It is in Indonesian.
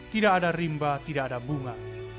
tidak ada rimba tidak ada bunga